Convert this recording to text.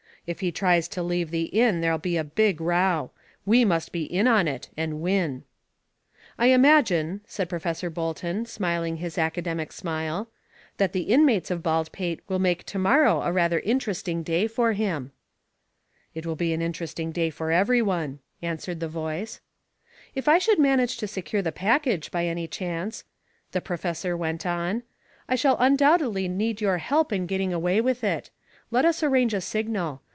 "If he tries to leave the inn there'll be a big row. We must be in on it and win." "I imagine," said Professor Bolton, smiling his academic smile, "that the inmates of Baldpate will make to morrow a rather interesting day for him." "It will be an interesting day for every one," answered the voice. "If I should manage to secure the package, by any chance," the professor went on, "I shall undoubtedly need your help in getting away with it. Let us arrange a signal.